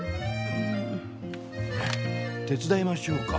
手伝いましょうか？